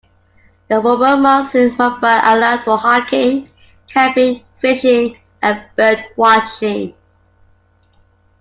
The warmer months in McBride allow for hiking, camping, fishing and bird watching.